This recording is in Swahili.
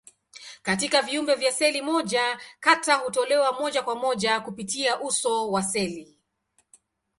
Katika viumbe vya seli moja, taka hutolewa moja kwa moja kupitia uso wa seli.